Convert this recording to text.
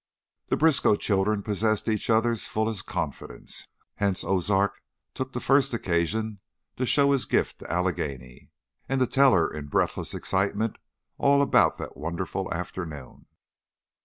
The Briskow children possessed each other's fullest confidence, hence Ozark took the first occasion to show his gift to Allegheny, and to tell her in breathless excitement all about that wonderful afternoon.